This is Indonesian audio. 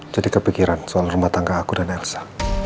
jadi kepikiran soal rumah tangga aku dan elsa